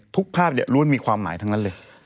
ทุกภาพล้วนมีความหมายทั้งนั้นเลย